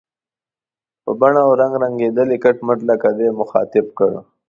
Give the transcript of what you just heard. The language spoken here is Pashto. په بڼه او رنګ رنګېدلی، کټ مټ لکه دی، مخاطب کړ.